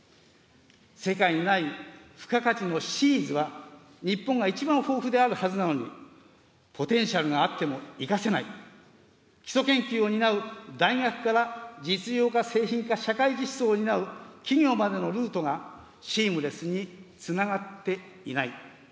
世界にない付加価値のシーズは、日本が一番豊富であるはずなのに、ポテンシャルがあっても生かせない、基礎研究を担う大学から実用化、製品化、社会実装を担う企業までのルートがシームレスにつながっていない。